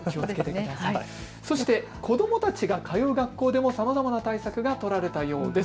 そして子どもたちが通う学校でもさまざまな対策が取られたようです。